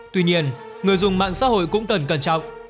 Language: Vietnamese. tuy nhiên người dùng mạng xã hội cũng cần cẩn trọng